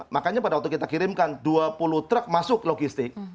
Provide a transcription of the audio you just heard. makanya pada waktu kita kirimkan dua puluh truk masuk logistik